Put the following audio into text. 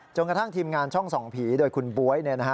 กระทั่งทีมงานช่องส่องผีโดยคุณบ๊วย